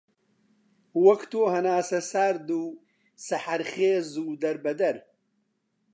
وەک تۆ هەناسەسەرد و سەحەرخێز و دەربەدەر